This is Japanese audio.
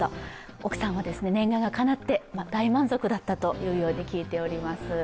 奥さんは念願がかなって大満足だったと聞いています。